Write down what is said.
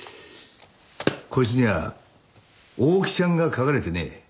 こいつには大木ちゃんが書かれてねえ。